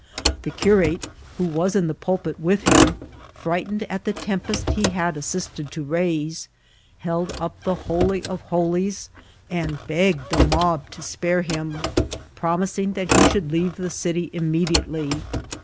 The curate, who was in the pulpit with him, frightened at the tern* pest he had assisted to raise, held up the Holy of Ho* lies, and begged the mob to spare him, promising that he should leave the city immediately.